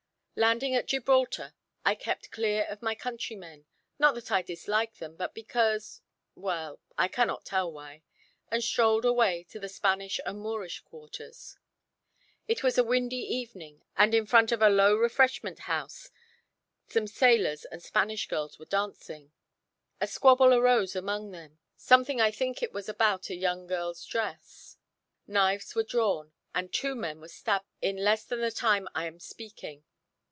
Landing at Gibraltar, I kept clear of my countrymen, not that I dislike them, but because well I cannot tell why; and strolled away to the Spanish and Moorish quarters. It was a windy evening, and in front of a low refreshment house some sailors and Spanish girls were dancing. A squabble arose among them; something I think it was about a young girl's dress. Knives were drawn, and two men were stabbed in less than the time I am speaking.